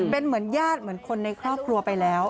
เป็นเหมือนญาติเหมือนคนในครอบครัวไปแล้ว